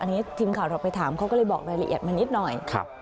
อันนี้ทีมข่าวเราไปถามเขาก็เลยบอกรายละเอียดมานิดหน่อย